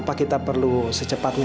dan apa gruesa